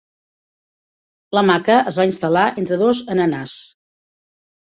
L'hamaca es va instal·lar entre dos ananàs.